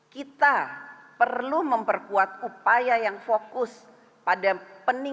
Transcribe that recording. kita perlu memperkuat upaya yang fokus pada peningkatan